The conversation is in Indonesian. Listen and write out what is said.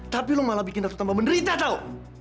tapi lu malah bikin ratu tambah menderita tau